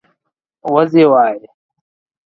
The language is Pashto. وزۍ وايي